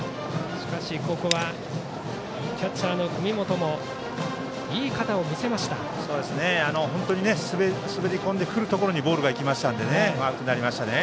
しかし、ここはキャッチャーの文元も滑り込んでくるところにボールが行きましたのでね。